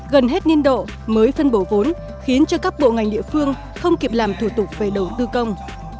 gần hết niên độ mới phân bổ vốn khiến cho các bộ ngành địa phương không kịp làm thủ tục về đầu tư công